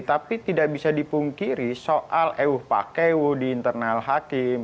tapi tidak bisa dipungkiri soal ewu pakew di internal hakim